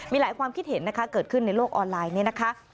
มีหลายความคิดเห็นนะคะเกิดขึ้นในโลกออนไลน์เนี่ยนะคะ